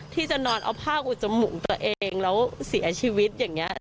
ที่จะนอนเอาผ้าอุดจมูกตัวเองแล้วเสียชีวิตอย่างนี้